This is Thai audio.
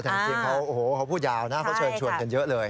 แต่เขาพูดยาวนะเขาเชิญชวนเห็นเยอะเลย